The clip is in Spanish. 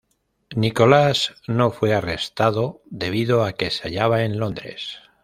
Nicolas no fue arrestado debido a que se hallaba en Londres.